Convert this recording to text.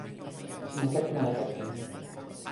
sina kepeken ala kepeken ni?